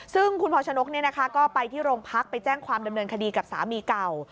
ซึ่งคุณพรชนกก็ไปที่โรงพักไปแจ้งความดำเนินคดีกับสามีเก่า